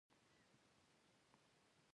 لاسونه سړې وي